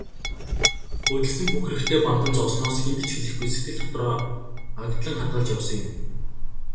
Будилсан бүх хэрэгтээ бантан зовсноос хэнд ч хэлэхгүй, сэтгэл дотроо агдлан хадгалж явсан юм.